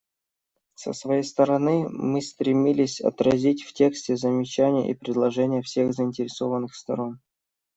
Со своей стороны, мы стремились отразить в тексте замечания и предложения всех заинтересованных сторон.